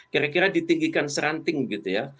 kira kira ditinggikan seranting gitu ya